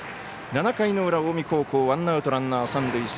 ７回の裏、近江高校ワンアウト、ランナー、三塁。